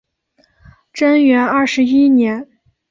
贞元二十一年